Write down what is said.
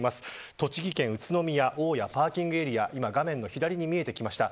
栃木県、宇都宮大谷パーキングエリアが画面の左に見えてきました。